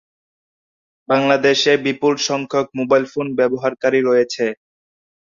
বাংলাদেশে বিপুল সংখ্যক mobile phone ব্যবহারকারী রয়েছে।